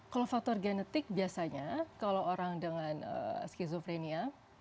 kalau faktor genetik biasanya kalau orang dengan skizofrenia